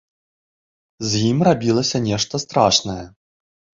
З ім рабілася нешта страшнае.